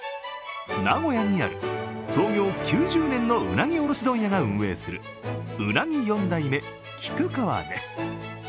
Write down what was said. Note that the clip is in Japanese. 名古屋にある創業９０年のうなぎ卸問屋が運営するうなぎ四代目菊川です。